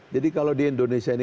jadi kalau di indonesia ini